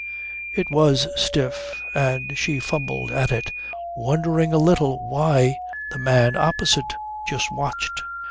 It was stiff, and she fumbled at it, wondering a little why the man opposite just watched.